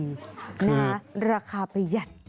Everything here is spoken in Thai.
นะคะราคาประหยัด